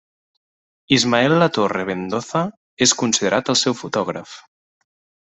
Ismael Latorre Mendoza és considerat el seu fotògraf.